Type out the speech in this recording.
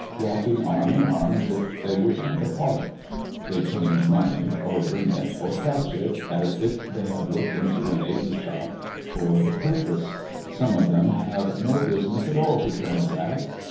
walking arm in arm as if they were in the park. They change money, or bring it or fetch it, as if they had looked into a neighbour's shop for the purpose. Some of them have no business at all to transact.